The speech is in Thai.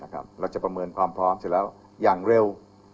หลักจะประเมินความพร้อมอย่างเร็ว